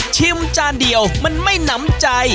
จานเดียวมันไม่หนำใจ